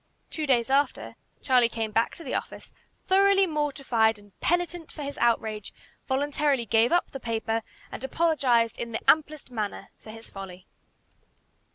Two days after, Charlie came back to the office, thoroughly mortified and penitent for his outrage, voluntarily gave up the paper, and apologized in the amplest manner for his folly.